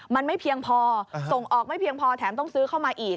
มันไม่เพียงพอส่งออกไม่เพียงพอแถมต้องซื้อเข้ามาอีก